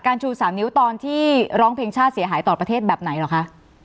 ชู๓นิ้วตอนที่ร้องเพลงชาติเสียหายต่อประเทศแบบไหนเหรอคะ